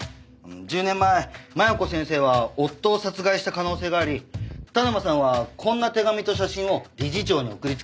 １０年前麻弥子先生は夫を殺害した可能性があり田沼さんはこんな手紙と写真を理事長に送りつけています。